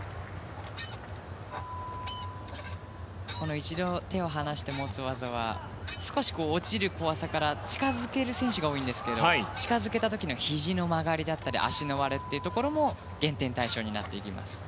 一度手を離して持つ技は少し落ちる怖さから近づける選手が多いんですけど近づけた時のひじの曲がりだったり足の割れも減点対象になっていきます。